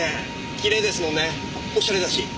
きれいですもんねおしゃれだし。